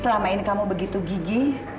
selama ini kamu begitu gigi